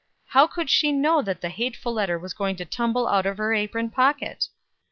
How could she know that the hateful letter was going to tumble out of her apron pocket?